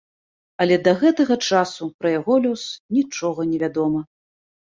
Але да гэтага часу пра яго лёс нічога не вядома.